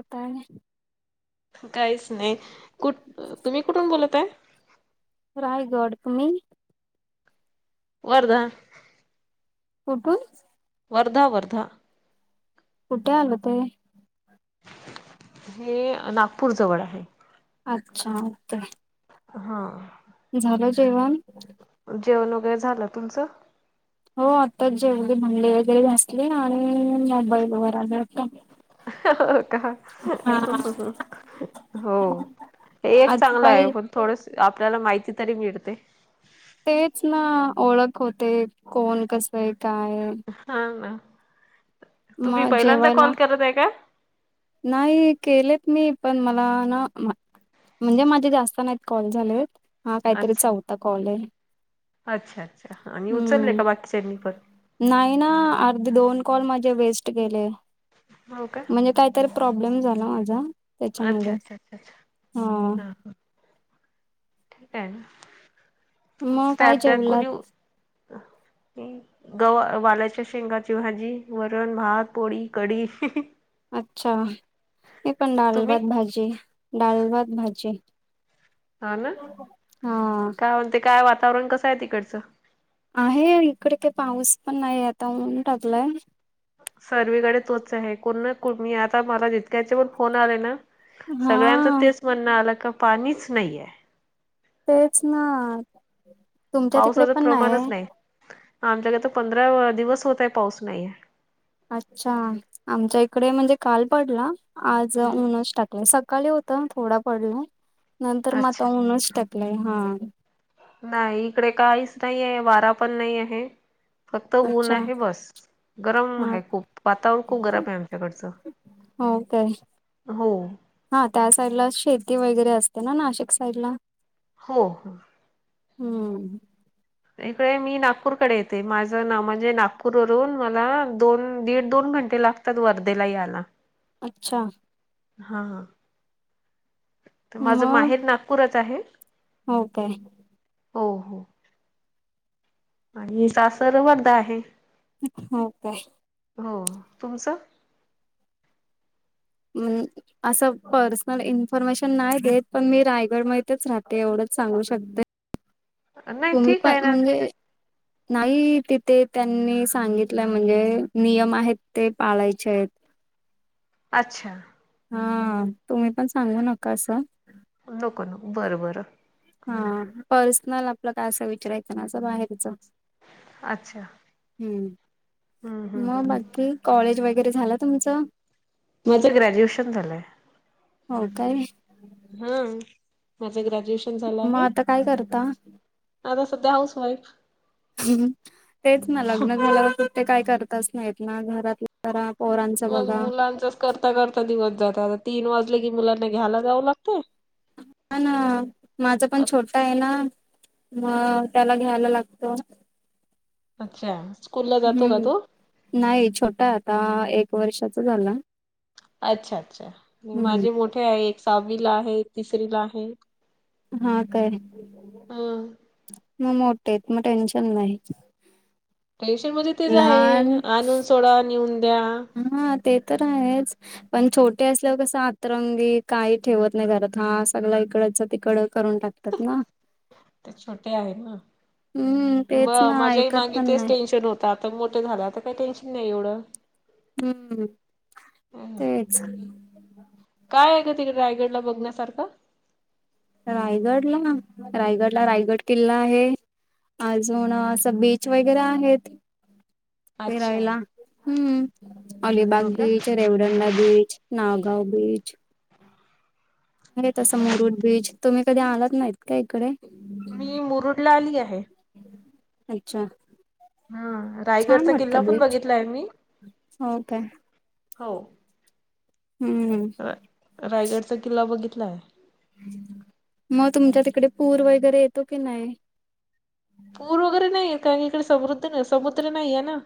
रता आहे काहीच नाही कुठ तुम्ही कुठून बोलतय रायगड तुम्ही वरदा कुठून वर्धा वर्धा कुठे आल हो ते हे नागपूर जवळ आहे अच्छा ओके हा झालं जेवण जेवण वगैरे झालं तुमचं हो आता जेवली म्हणली भांडे वगैरे घासली आणि मोबाईल व आ हो का हो एक आज चांगलं आहे काय पण थोडस आपल्याला माहिती तरी मिळते तेच ना ओळख होते कोण कस आहे काय हा ना तुम्ही मग पहिल्यांदा जेवायला कॉल करत आहे का नाही केलेत मी पण मला ना म्हणजे माझे जास्त नाहीत कॉल झालेत हा काहीतरी चा अच्छा होता कॉल आहे अच्छा अच्छा आणि उचलले हम्म का बाकीच्यांनी पत नाही ना अर्ध दोन कॉल म्हजे वेस्ट केेले हो का म्हणजे काहीतरी प्रॉब्लेम झाला माझा त्याच्यामुळे अच्छा अच्छा अच्छा अच्छा हा हा ठीक आहे ना मग त्यात जेवलात काय गव वाल्याच्या शेंगाची भाजी वरण, भात, पोळी, कढी. अच्छा हे पण डाल तुम्ही भात भाजी डालभात भाजी हा ना हा काय म्हणते काय वातावरण कसं आहे तिकडचं आहे इकडे काही पाऊस पण नाही आता होऊन टाकलाय सर्वीकडे तोच आहे कोण ना मी आता मला जितक्याचे पण फोन आले ना हा सगळ्यांचं तेच म्हणणं आलं का पाणीच नाहीेये. तेच ना तुमच्या तिकडे पावसाचं पण प्रमाणच नाहीये. नाही आमच्याकडे तर पंधरा दिवस होत आहे पाऊस नाहीये. अच्छा आमच्या इकडे म्हणजे काल पडला आज आहे ऊनच टाकले सकाळी हो त थोडा पडला नंतर अच्छा मता ऊनच टाकलंय हां. नाही इकडे काहीच नाही आहे वारा पण नाही आहे फक्त अच्छा ऊनच आहे बस. गरम हा आहे खूप वातावरण खूप गरम आहे आमच्याकडच. हो काय? हो. हां त्या साईडला शेती वगैरे असते ना नाशिक साईडला? हो हो. हम्म. इकडे मी नागपूरकडे येते माझं ना म्हणजे नागपूरवरून मला दोन दीड दोन घंटे लाग तात वर्धेला यायला. अच्छा. हां तर माझं मग माहेर नागपूरच आहे. हो काय? हो हो आणि सासर वर्धा आहे. हो काय? हो तुमचं? [unintelligible] असं पर्सनल इन्फॉर्मेशन नाही देत पण मी रायगडमध्येच राहते एवढंच सांगू शकते. नाही तुम्ही ठीक आहे पण ना म्हणजे नाही तिथे त्यांनी सांगितलंय म्हणजे नियम आहेत ते पाळायचे आहेत. अच्छा. हां तुम्ही पण सांगू नका असं. नको नको बरं बरं. हां पर्सनल आपलं काय असं विचारायचं ना असं बाहेरचं. अच्छा. हम्म हम्म मग हम्म बाकी कॉलेज वगैरे झालं तुमचं? माझं ग्रॅज्युएशन झालंय. हो काय? हम्म माझं ग्रॅज्युएशन झालं मग आहे. आता काय करता आता सध्या हाऊस वाईफ. तेच ना लग्न झाल्यावरती काय करताच नाही येत ना घरातलं करा पोरां माझं मुलांचच करता करता दिवस जातं आता तीन वाजले की मुलांना घ्यायला जावं लागतंय. हो ना माझा पण छोटा आहे ना. मग त्याला घ्यायला लागतं. अच्छा स्कूलला जातो का हम्म तो? नाही छोटा आता एक वर्षाचा झाला. अच्छा अच्छा हम्म माझे मोठे आहे एक सहावीला आहे एक तिसरीला आहे. हां काय? हा मग मोठेे आहेत मग टेन्शन नाही. टेंशन म्हणजे तेच आहे लहान आणून सोडा निऊन द्या. हां ते तर आहेच. पण छोटे असल्यावर कसं आतरंगी काही ठेवत नाही घरात हां सगळं इकडच तिकडं करून टाक तत ना ते छोटे आहे ना हम्म म तेच ना माझ्याही ऐकत मागे पण तेच नाही टेन्शन होतं त आता मोठं झाले आता काही टेन्शन नाही एवढं. हम्म तेच. कायग आहे का तििकडे रायगड ला बघण्यासारखं रायगड ला रायगड ला रायगड किल्ला आहे अजून असं बीच वगैरे आहेत अच्छा फराला हम्म हो अलीिबाग का beach Revdanda beach Nagaon beach नाही तसं मुरुड बीच तुम्ही कधी आलात नाहीत का इकडे मी मुरुड ला आली आहे अच्छा. हम्म छान रायगडचा किल्ला वाटतं पण बीच बघितलाय आहे मी हो काय हो. हम्म. रायगडचा किल्ला बघितलाय. मग तुमच्या तिकडे पूर वगैरे येतो की नाही. पूर वगैरे नाहीये इकडे समृद्ध समुद्र नाही आहे ना.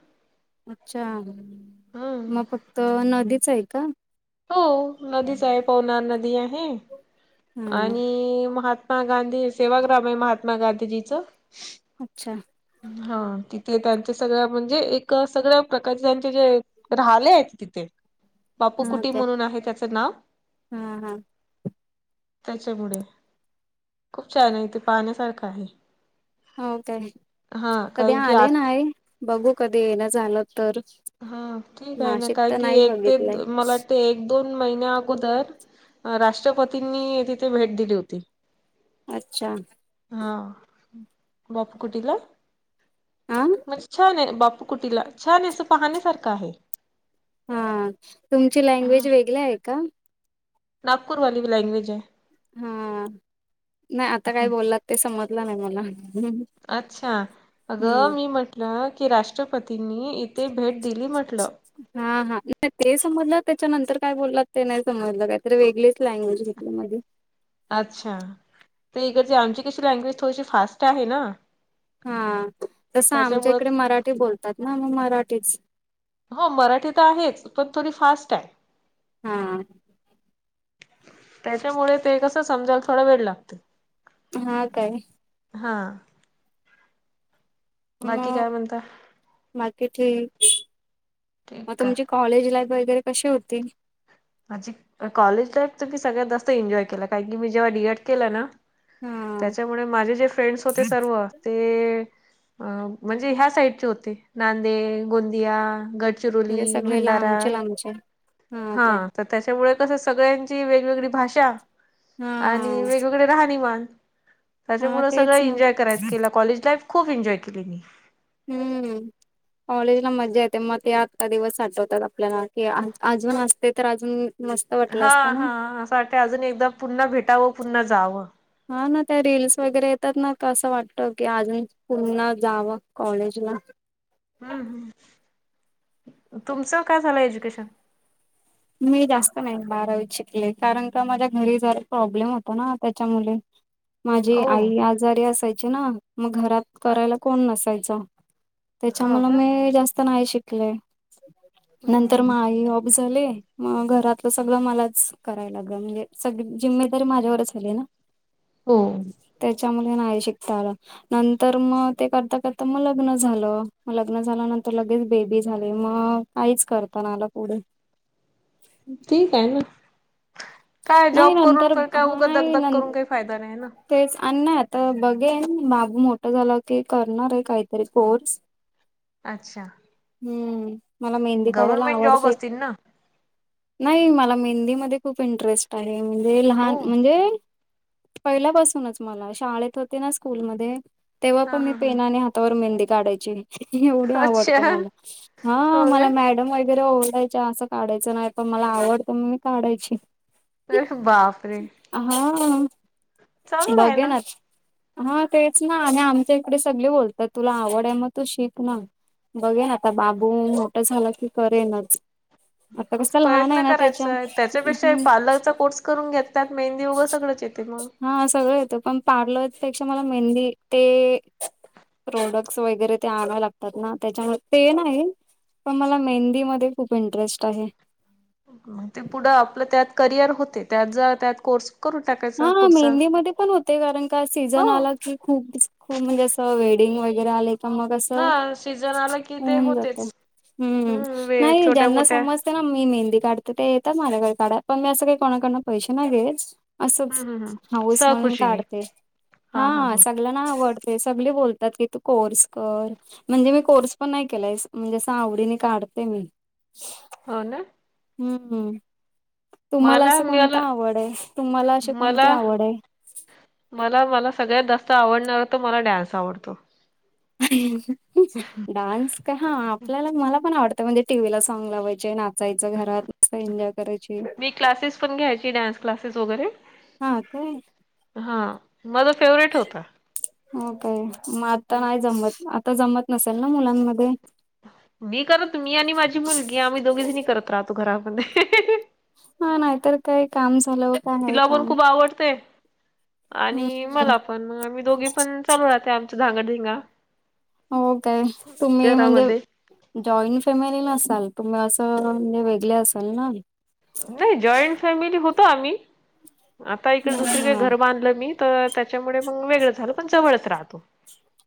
अच्छा हम्म. मग फक्त नदीच आहे का. हो नदीच आहे पवनार नदी आहे. हा आणि महात्मा गांधी सेवाग्राम आहे महात्मा गांधीजीच अच्छा. हा तिथे त्यांच्या सगळ्या म्हणजे एक सगळ्या प्रकारचे त्यांचे जे राहिले आहेत तिथे बापू हा कुटी काय म्हणून आहे त्याचं नाव. हा हा त्याच्यामुळे खूप छान आहे तेे पाहण्यासारखं आहे. हो काय हा कधी कारण की आले आत ना बघू कधी येण झालं तर. हा ठीक आहे ना नाशिक काय तर की नाही एक ते बघितलंय मला वाटते एक एक दोन महिन्या अगोदर राष्ट्रपतींनी तिथे भेट दिली होती. अच्छा. हा बापू कुटीला हा म्हणजे छान आहे बापू कुटीला छान अस पाहण्यासारखं आहे. हा तुमची लँग्वेज वेगळी आहे का. नागपूरलीी वी लँग्वेज आहे. हा नाही, आता काय बोललात ते समजलं नाही मला अच्छा अगं मी म्हटलं की राष्ट्रपतींनी इथे भेट दिली म्हटलं. हा हा नाही ते समजलं त्याच्या नंतर काय बोललात ते नाही समजलं काहीतरी वेगळीच लँग्वेज मध्येध्ये अच्छा तर इकडची आमची कशी लँग्वेज थोडीशी फास्ट आहे ना. हा तसं आमच्या त्याच्यामुळे इकडे मराठी बोलतात ना मग मराठीच हो मराठी तर आहेच पण थोडी फास्ट आहे. हां. त्याच्यामुळे ते कसं समजायला थोडा वेळ लागते. हा काय हा. बाकी काय मग म्हणता बाकी ठीक ठीक मग का तुमची कॉलेज लाईफ वगैरे कशी होती. अज कॉलेज लाईफ तर मी सगळ्यात जास्त एन्जॉय केला, कारण की मी जेव्हा डीएट केलं ना. हा त्याच्यामुळे माझे जे फ्रेंड्स होते सर्व ते अ म्हणजे ह्या साईडचे होते नांदेड गोंदिया गडचिरोली म्हणजे गडचिरोली सगळे भंडारा लांबचे लांबचे हा तर त्याच्यामुळे कसं सगळ्यांची वेगवेगळी भाषा हा आणि वेगवेगळे राहानीमान हा त्याच्यामुळ सगळं तेच ना एन्जॉय कराय केला. कॉलेज लाईफ खूप एन्जॉय केली मी हम्म. कॉलेज ला मज्जा येते मग या आत दिवस आठवतात, आपल्याला की अजून असते तर अजून मस्त वाटलं हा असतं ना हा असं वाट अजून एकदा पुन्हा भेटावं पुन्हा जावं. हा ना त्या रीलस वगैरे येतात ना असं वाटतं की अजून पुन्हा जावं कॉलेजला हम्म ह् तुमचं काय झालं एज्युकेशन मी जास्त नाही बारावीत शिकले कारण का माझ्या घरी जरा प्रॉब्लेम होत ना त्याच्यामुळे माझी ओ आई आजारी असायची ना मग घरात करायला कोण नसायचा. हो त्याच्यामुळे का? मी जास्त नाही शिकले. हम्म नंतर हम्म मग आई ऑफ झाले. मग घरातलं सगळं मलाच करायला लागलं म्हणजे सग जिम्मेदारी माझ्यावरच झाली ना [unintelligible] हो त्याच्यामुळे नाही शिकता नंतर मग ते करता करता मग लग्न झालं म लग्न झाल्यानंतर लगेच बेबी झाली मग काहीच करत नाही पुढे ठीक आहे ना काय नाही जॉब करून नंतर काय हा उगं नाही धगधग न करून काही फायदा नाही ना तेच आणि नाही आता बघेन बाबू मोठं झाला की करणार आहे काहीतरी कोर्स [unintelligible] अच्छा [unintelligible] हम्म मला मेहंदी काढायला गव्हर्मेंट जॉब आवडतय असतील ना [unintelligible] [unintelligible] नाही मला मेहंदी मध्ये खूप इंटरेस्ट आहे म्हणजे लहान हो म्हणजे पहिल्यापासूनच मला शाळेत होते ना स्कूल म तेव्हा हा पण मी हा हा पेनाने ह [unintelligible] [unintelligible] व मेहंदी काढायची एवढी अच्छा आवडते हो मला हा काय मला मॅडम वगैरे ओडाय असं काढायचं नाही पण मला आवडत मग मी काढायची [unintelligible] [unintelligible] सर् बापरे [unintelligible] हा चांगलं आहे बघे ना हा तेच ना आणि आमच्या इकडे सगळे बोलतात तुला आवड आहे मग तू शिक ना बघे आता बाबू मोठं झालं की करेन आता कस लहान प्रयत्न आहे ना त्याच्या करायचाय त्याच्यापेक्षा हम्म पार्लरचा कोर्टस करून घेतात मेंदीगं सगळंच येते मग हा सगळं येतं पण पार्लर पेक्षा मला मेहंदी ते प्रोडक्ट्स वगैरे ते आणव लागतात ना त्याच्यामुळे ते नाही पण मला मेहंदीमध्येध्ये खूप इंटरेस्ट आहे ग ते पुढं आपलं त्यात करिअर होते त्यात ज त्यात कोर्स करून टाकायचा हा पुढचा मेहंदीमध्येध्ये पण होते कारण का हो सीझन आला की खूप खूप म्हणजे असं वेडिंग वगैरे आले मग असं हा सीझन आला की ते होऊन जात होतेच. हम् हम्म वे नाही छोट्या ज्यांना मोठ्या समज ना मी मेहंदी काढते ते येतात माझ्याकडे काढा पण मी असं काही कोणाकडन पैसे नागेच असं हम्म हम्म हम्म हाऊस म्हणून सहखुशीने काढते हा स ना आवडते सगळे बोलतात की तू कोर्स कर म्हणजे मी कोर्स पण नाही केलाय म्हणजे आवडीने काढते मी हो ना [unintelligible] हम्म तुम्हाला मला असं कोणता मला आवड आहे तुम्हाला अशी कोणती मला आवड आहे [unintelligible] मला मला सगळ्यात जास्त आवडणार तर मला डान्स आवडतो डान्स का हा आपल्याला मला पण आवडतं म्हणजे टीव्ही ला सॉग लावायचे नाचायचं घरात मस्त एन्जॉय करायचे. ती क्लासेस पण घ्यायची डान्स क्लासेस वगैरे हा ते हा माझा फेवरेट होता हो काय मग आता नाही जमत आता जमत नसेल ना मुलांमध्ये. मी करत मी आणि माझी मुलगी आम्ही दोघीजनी करत राहतो घरामध्ये हेहेहे हे. हा नाहीतर काही काम झालं. काय आहे तिला पण काम खूप आवडतय.... आणि हम्म मला पण. पण मग आम्ही दोघी पण चालू राहते आमच धागड धिंगा. हो काय तुम्ही म्हणजे.... घरामध्ये. जॉईंट फॅमिली नसााल तुम्ही असं म्हणजे वेगले असेल ना. नाही जॉईंट फॅमिली होतो आम्ही आता इकडे दुसर कड हा घर बांधलं मी. तर त्याच्यामुळे मग वेगळं झाल पण जवळच राहतो.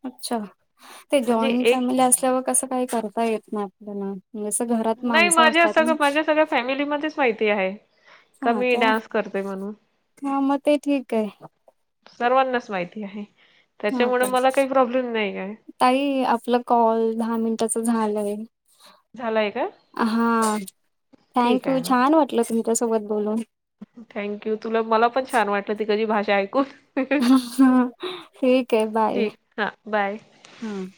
अच्छा, ते म्हणजे जॉईंट एक फॅमिली असल्यावर कसं काही करता येत नाही आपल्याला. घरात... मी माणसं माझ्या असतात ना सगळ्या माझ्या सगळ्या फॅमिली मध्येच माहिती आहे. का हा मी तर डान्स करते म्हणून हा म ते ठीक आहे. सर्वांनाच माहिती आहे हा त्याच्यामुळे का मला काही प्रॉब्लेम नाही आहे. ताई आपलं कॉल दहा मिनिटाच झालंय. झालाय का हा ठीक थँक यू आहे ना छान वाटलं तुमच्या सोबत बोलून. थँक्यू तुला, मला पण छान वाटलं तिकडची भाषा ऐकून. अहा.. ठीक के बाय.. ठीक हां बाय हम्म.